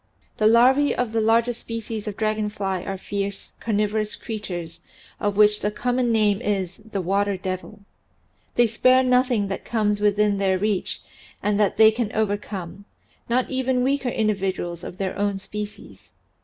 The larvae of the larger species of dragon fly are fierce, carnivorous creatures of which the common name is "the water devil." They spare nothing that comes within their reach and that they can overcome not even weaker individuals of their own species.